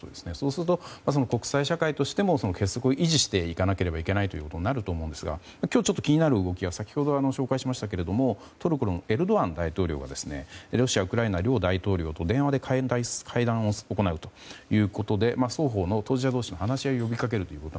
すると、国際社会としても結束を維持しなければいけないということになると思いますが今日気になる動きが先ほど紹介しましたがトルコのエルドアン大統領がロシア、ウクライナ両大統領と電話で会談を行うということで双方の首脳同士の話し合いを呼びかけると。